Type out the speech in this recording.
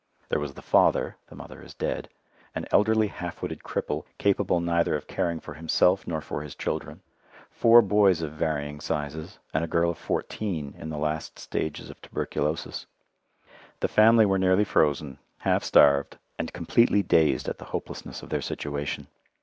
There was the father (the mother is dead), an elderly half witted cripple capable neither of caring for himself nor for his children, four boys of varying sizes, and a girl of fourteen in the last stages of tuberculosis. The family were nearly frozen, half starved, and completely dazed at the hopelessness of their situation.